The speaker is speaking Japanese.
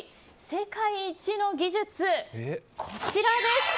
世界一の技術のこちら。